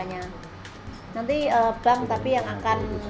nanti bank tapi yang akan